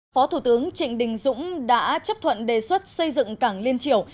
phó thủ tướng trịnh đình dũng đã chấp thuận đề xuất xây dựng cảng liên triều